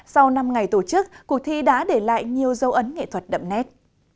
sau năm ngày tổ chức cuộc thi đã để lại nhiều dấu ấn nghệ thuật đậm nét